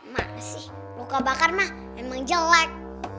makasih muka bakar mah emang jelek